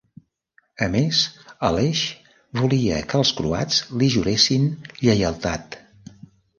A més, Aleix volia que els croats li juressin lleialtat.